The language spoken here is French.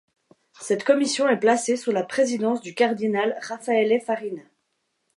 Cette commission est placée sous la présidence du cardinal Raffaele Farina.